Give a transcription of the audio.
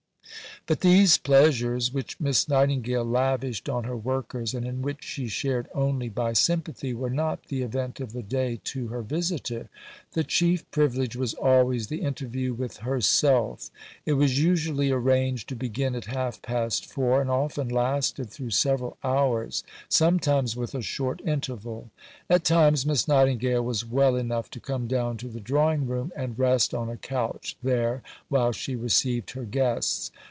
But these pleasures which Miss Nightingale lavished on her workers and in which she shared only by sympathy, were not the event of the day to her visitor. The chief privilege was always the interview with herself. It was usually arranged to begin at half past four and often lasted through several hours; sometimes with a short interval. At times Miss Nightingale was well enough to come down to the drawing room and rest on a couch there while she received her guests.